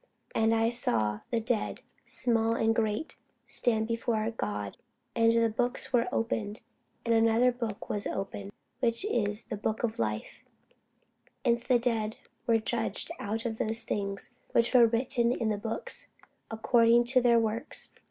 And I saw the dead, small and great, stand before God; and the books were opened: and another book was opened, which is the book of life: and the dead were judged out of those things which were written in the books, according to their works.